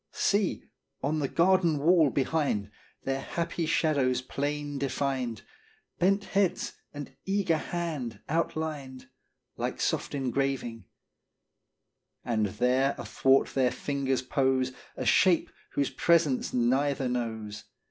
See ! on the garden wall behind, Their happy shadows plain defined, Bent heads and eager hand, outlined Like soft engraving ; 2i 6 Qt 0uj0rn Statement. And there athwart their fingers' pose A shape whose presence neither knows.